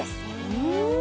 うん！